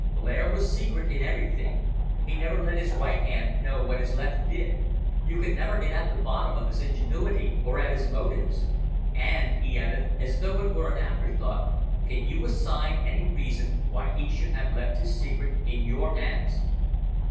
"Blair was secret in everything. He never let his right hand know what his left did. You could never get at the bottom of his ingenuity, or at his motives. And," he added, as though it were an afterthought, "can you assign any reason why he should have left his secret in your hands?"